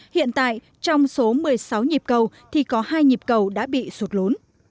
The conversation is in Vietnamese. hiện tại trong số một mươi sáu nhịp cầu thì có hai nhịp cầu đã bị sụt lún